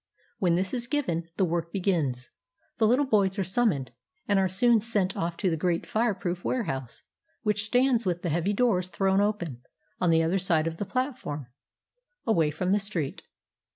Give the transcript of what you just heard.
When this is given, the work begins; the little boys are summoned, and are soon sent off to the great fireproof warehouse, which stands with heavy doors thrown open, on the other side of the plat form, away from the street.